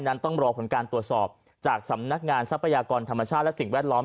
ต้องรอผลการตรวจสอบจากสำนักงานทรัพยากรธรรมชาติและสิ่งแวดล้อม